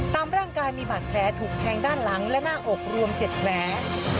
ตามร่างกายมีบาดแผลถูกแทงด้านหลังและหน้าอกรวม๗แผล